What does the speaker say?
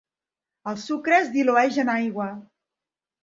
El sucre es dilueix en aigua.